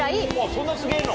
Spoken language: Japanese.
そんなすげぇの？